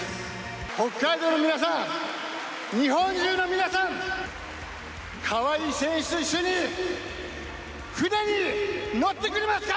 北海道の皆さん、日本中の皆さん、かわいい選手と一緒に船に乗ってくれますか。